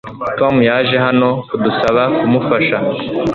Tom yaje hano kudusaba kumufasha